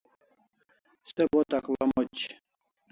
Se bo takla moch